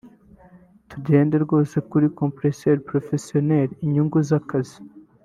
tugendera rwose kuri “compromis professionnel” (inyungu z’akazi)